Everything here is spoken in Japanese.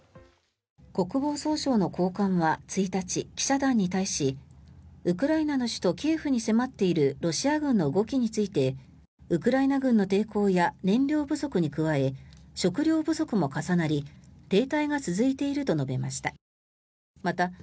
国防総省の高官は１日記者団に対しウクライナの首都キエフに迫っているロシア軍の動きについてウクライナ軍の抵抗や燃料不足に加え食料不足も重なり停滞が続いていると述べました。